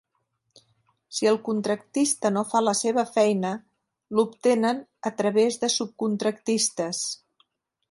Si el contractista no fa la seva feina, l'obtenen a través de subcontractistes.